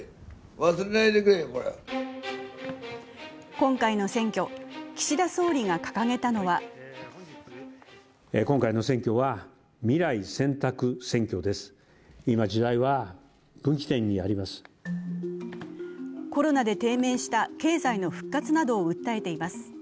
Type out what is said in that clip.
今回の選挙、岸田総理が掲げたのはコロナで低迷した経済の復活などを訴えています。